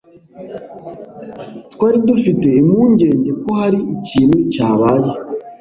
Twari dufite impungenge ko hari ikintu cyabaye.